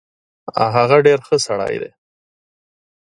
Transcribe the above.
هغه ډیر خه سړی دی